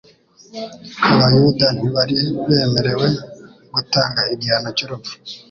Abayuda ntibari bemerewe gutanga igihano cy'urupfu